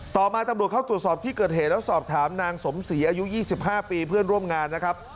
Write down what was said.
ต่อมาตำรวจเข้าตรวจสอบที่เกิดเหตุแล้วสอบถามนางสมศรีอายุ๒๕ปีเพื่อนร่วมงานนะครับ